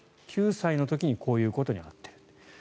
９歳の時にこういうことになっている。